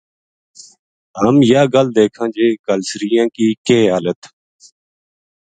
ہم یاہ گل دیکھاں جے کالسریا ں کی کے حالت